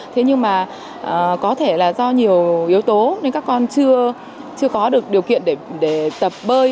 thế nhưng mà có thể là do nhiều yếu tố nên các con chưa có được điều kiện để tập bơi